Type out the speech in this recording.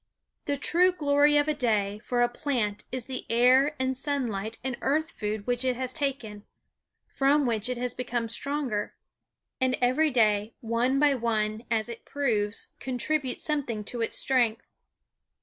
The true glory of a day for a plant is the air and sunlight and earth food which it has taken, from which it has become stronger. And every day, one by one, as it proves, contributes something to its strength.